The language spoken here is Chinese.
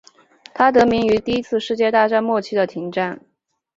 它得名于第一次世界大战末期的停战。